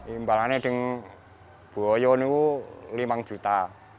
imbalannya di boyo ini rp lima juta